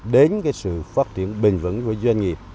đến cái sự phát triển bền vững của doanh nghiệp